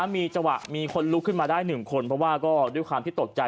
มีจังหวะมีคนลุกขึ้นมาได้๑คนเพราะว่าก็ด้วยความที่ตกใจ